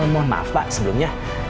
mohon maaf pak sebelumnya